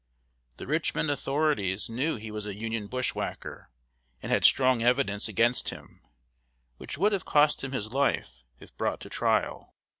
The Richmond authorities knew he was a Union bushwhacker, and had strong evidence against him, which would have cost him his life if brought to trial.